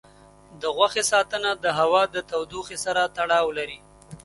د غوښې ساتنه د هوا د تودوخې سره تړاو لري.